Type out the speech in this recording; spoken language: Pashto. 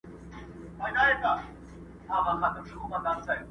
• کورنۍ پرېکړه کوي د شرم له پاره.